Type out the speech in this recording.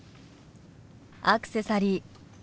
アクセサリー